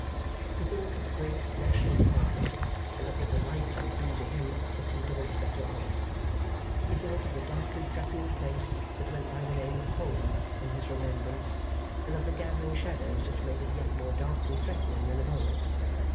He thought of the great National Department, and of the delight it would be to him to see Doyce better off. He thought of the darkly threatening place that went by the name of Home in his remembrance, and of the gathering shadows which made it yet more darkly threatening than of old.